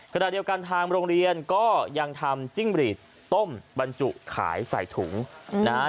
ขณะเดียวกันทางโรงเรียนก็ยังทำจิ้งหรีดต้มบรรจุขายใส่ถุงนะฮะ